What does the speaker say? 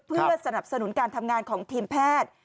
เพื่อสนับสนุนการทำงานของทีมแพทย์